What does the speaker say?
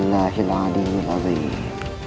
bagian tengah istana masih kosong